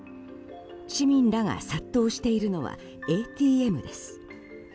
市民らが殺到しているのはＡＴＭです。